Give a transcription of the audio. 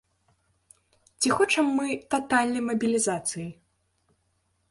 Ці хочам мы татальнай мабілізацыі?